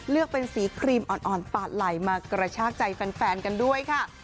เป็นสีครีมอ่อนปาดไหลมากระชากใจแฟนกันด้วยค่ะ